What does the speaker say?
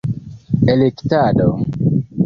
elektado